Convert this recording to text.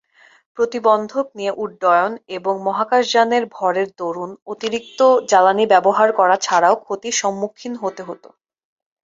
প্রতিবন্ধক নিয়ে উড্ডয়ন এবং মহাকাশযানের ভরের দরুন অতিরিক্ত জ্বালানি ব্যবহার করা ছাড়াও ক্ষতির সম্মুখীন হতে হত।